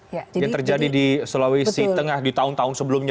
yang terjadi di sulawesi tengah di tahun tahun sebelumnya